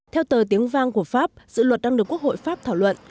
theo tờ tiếng vang của pháp dự luật đang được quốc hội pháp thảo luận